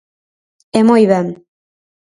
E moi ben.